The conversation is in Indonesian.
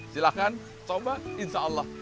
silahkan insya allah